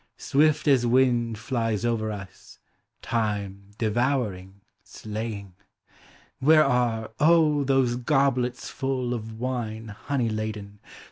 Swift as wind flies over us Time, devouring, slaying. Where are, oh! those goblets full Of wine honey laden.